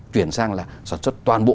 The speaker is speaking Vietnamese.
chuyển sang là sản xuất toàn bộ